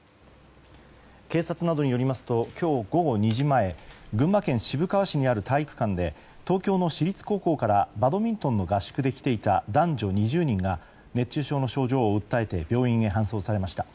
警察などによりますと今日午後２時前群馬県渋川市にある体育館で東京の私立高校からバドミントンの合宿で来ていた男女２０人が熱中症の症状を訴えて病院へ搬送されました。